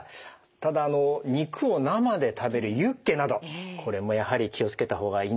ただ肉を生で食べるユッケなどこれもやはり気を付けた方がいいんでしょうね。